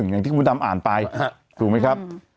อย่างที่คุณดำอ่านไปถูกไหมครับ